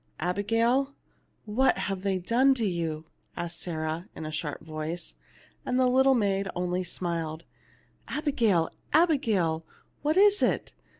"Abigail, what have they done to you ?" asked Sarah, in a sharp voice ; and the little maid only smiled. " Abigail, Abigail, what is it